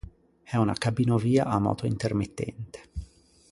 È una cabinovia a moto intermittente.